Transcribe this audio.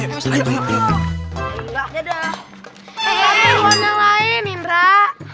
santriwan yang lain imrah